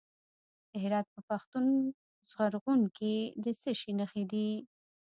د هرات په پښتون زرغون کې د څه شي نښې دي؟